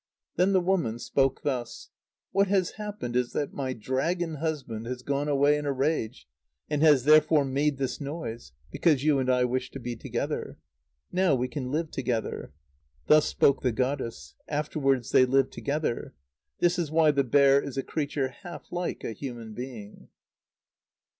Then the woman spoke thus: "What has happened is that my dragon husband has gone away in a rage, and has therefore made this noise, because you and I wish to be together. Now we can live together." Thus spoke the goddess. Afterwards they lived together. This is why the bear is a creature half like a human being.